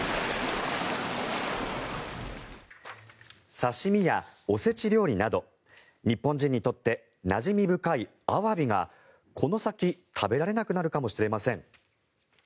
刺し身やお節料理など日本人にとってなじみ深いアワビがこの先、食べられなくなるかもしれません。